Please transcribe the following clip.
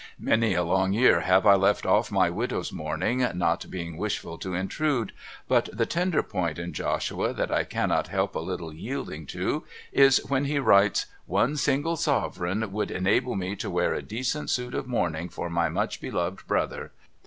Many a long year have I left off my widow's mourning not being wishful to intrude, but the tender point in Joshua that I cannot help a little yielding to is when he WTites ' One single sovereign would enable me to wear a decent suit of mourning for my much loved brother.